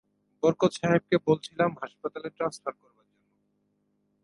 বরকত সাহেবকে বলছিলাম হাসপাতালে ট্রান্সফার করবার জন্যে।